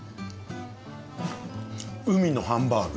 海のハンバーグ。